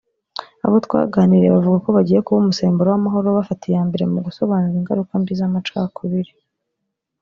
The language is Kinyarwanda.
Abo twaganiriye bavuga ko bagiye kuba umusemburo w’amahoro bafata iyambere mu gusobanura ingaruka mbi z’amacakubiri